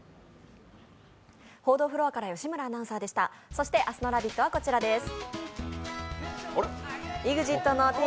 そして明日の「ラヴィット！」はこちらです。